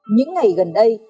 những ngày gần đây